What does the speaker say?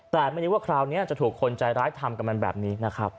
แต่ไม่นึกว่าคราวนี้จะถูกคนใจร้ายทำกันแบบนี้